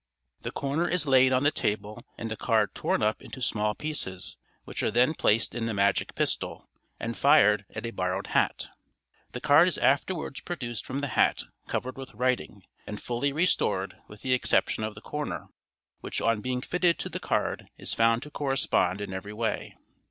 The corner is laid on the table and the card torn up into small pieces which are then placed in the magic pistol, and fired at a borrowed hat. The card is afterwards produced from the hat covered with writing, and fully restored with the exception of the corner, which on being fitted to the card is found to correspond in every way.